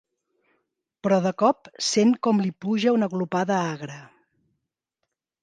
Però de cop sent com li puja una glopada agra.